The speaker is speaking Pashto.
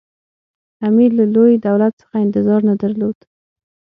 امیر له لوی دولت څخه انتظار نه درلود.